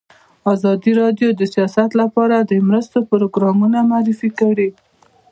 ازادي راډیو د سیاست لپاره د مرستو پروګرامونه معرفي کړي.